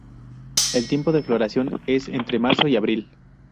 El tiempo de floración es entre marzo y abril.